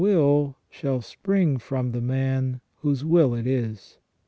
will shall spring from the man whose will it is.